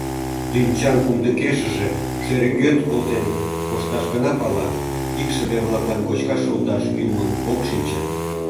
— Дӱнчан кумдыкешыже шӧрӧгӧд колтен кошташ гына пала, икшыве-влаклан кочкаш шолташ кӱлмым ок шинче!